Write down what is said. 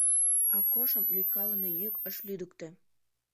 Акошым лӱйкалыме йӱк ыш лӱдыктӧ.